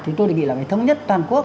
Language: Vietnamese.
thì tôi nghĩ là phải thống nhất toàn quốc